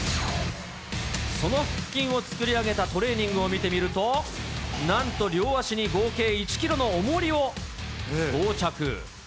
その腹筋を作り上げたトレーニングを見てみると、なんと両足に合計１キロのおもりを装着。